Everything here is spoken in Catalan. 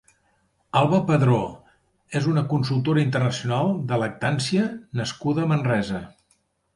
Alba Padró és una consultora internacional de lactància nascuda a Manresa.